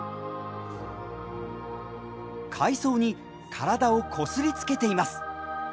海藻に体をこすりつけています。